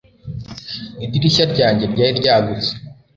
Idirishya ryanjye ryari ryagutse